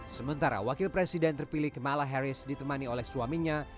sementara wakil presiden terpilih kamala harris ditemani oleh suaminya